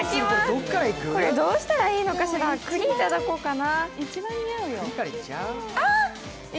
これどうしたらいいのかしら、栗いこうかな？